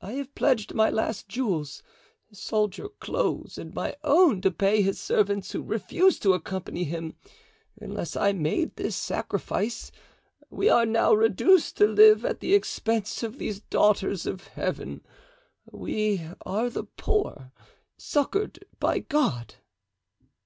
I have pledged my last jewels, sold your clothes and my own to pay his servants, who refused to accompany him unless I made this sacrifice. We are now reduced to live at the expense of these daughters of Heaven; we are the poor, succored by God."